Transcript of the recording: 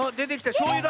しょうゆだ。